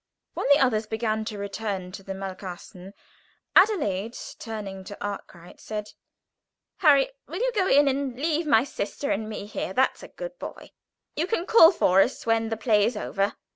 When the others began to return to the Malkasten, Adelaide, turning to Arkwright, said: "Harry, will you go in and leave my sister and me here, that's a good boy? You can call for us when the play is over."